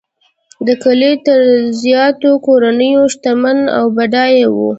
د کلي تر زیاتو کورنیو شتمنه او بډایه وه.